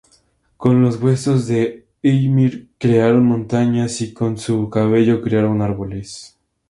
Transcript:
Con los huesos de Ymir crearon montañas, y con su cabello crearon árboles.